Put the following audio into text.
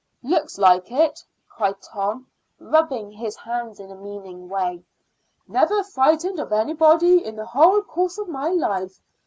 "Looks like it!" cried Tom, rubbing his hands in a meaning way. "Never frightened of anybody in the whole course of my life.